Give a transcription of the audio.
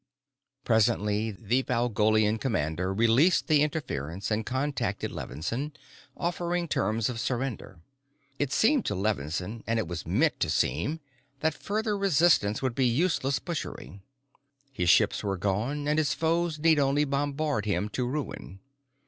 Presently the Valgolian commander released the interference and contacted Levinsohn, offering terms of surrender. It seemed to Levinsohn, and it was meant to seem, that further resistance would be useless butchery. His ships were gone and his foes need only bombard him to ruin.